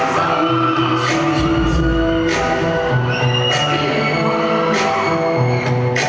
อย่างไรก็ต้องคุยกันอยู่แล้วค่ะ